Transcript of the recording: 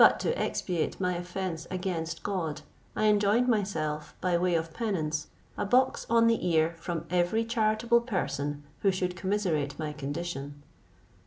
But to expiate my offence against God, I enjoined myself, by way of penance, a box on the ear from every charitable person who should commiserate my condition.